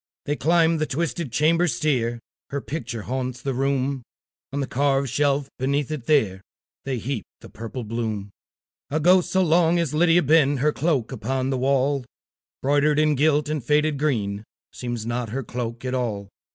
They climb the twisted chamber stair; Her picture haunts the room; On the carved shelf beneath it there, They heap the purple bloom. A ghost so long has Lydia been, Her cloak upon the wall, Broidered, and gilt, and faded green, Seems not her cloak at all.